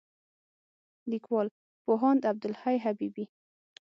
لیکوال: پوهاند عبدالحی حبیبي